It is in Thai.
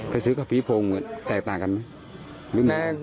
กระสือกับภีรภงแตกต่างกันไหม